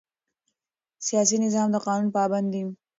سیاسي نظام د قانون پابند دی